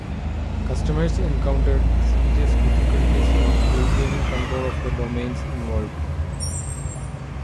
Customers encountered serious difficulties in regaining control of the domains involved.